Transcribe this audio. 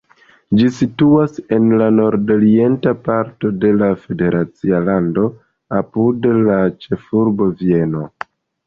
Ĝi situas en la nordorienta parto de la federacia lando, apud la ĉefurbo Vieno.